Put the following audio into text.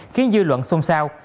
khiến dư luận sung sao